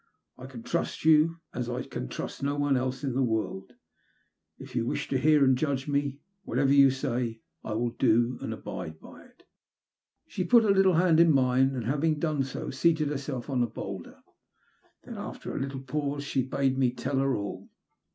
''I can trust you as I can trust no one else in the world. I wish you to hear and judge me. Whatever yon sayi I will do and abide by it," She put hor little hand in mine, and having done so, seated herself on a boulder. Then, after a Utile pause, she bade me tell her all.